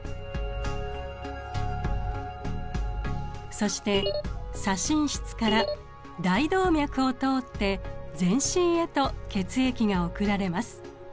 そして左心室から大動脈を通って全身へと血液が送られます。